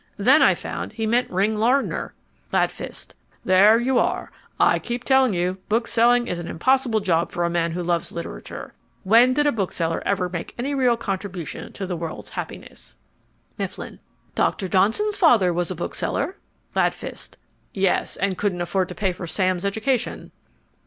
Then I found he meant Ring Lardner. GLADFIST There you are. I keep telling you bookselling is an impossible job for a man who loves literature. When did a bookseller ever make any real contribution to the world's happiness? MIFFLIN Dr. Johnson's father was a bookseller. GLADFIST Yes, and couldn't afford to pay for Sam's education.